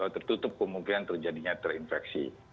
tertutup kemungkinan terjadinya terinfeksi